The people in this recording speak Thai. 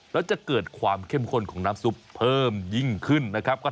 แล้วจะเกิดความเข้มข้นของน้ำซุปเพิ่มยิ่งขึ้นนะครับ